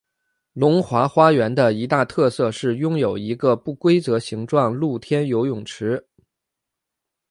龙华花园的一大特色是拥有一个不规则形状露天游泳池。